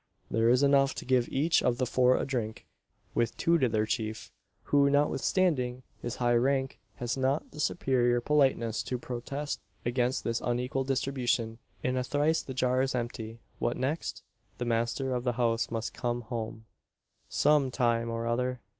There is enough to give each of the four a drink, with two to their chief; who, notwithstanding his high rank, has not the superior politeness to protest against this unequal distribution. In a trice the jar is empty. What next? The master of the house must come home, some time or other.